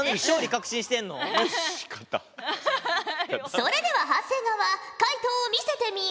それでは長谷川解答を見せてみよ。